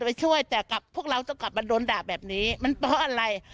ไปช่วยแต่กับพวกเราต้องกลับมาโดนด่าแบบนี้มันเพราะอะไร